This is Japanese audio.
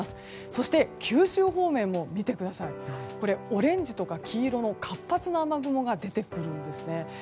そして、九州方面もオレンジとか黄色の活発な雨雲が出てくるんですね。